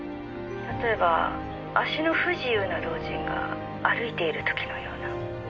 「例えば足の不自由な老人が歩いている時のような」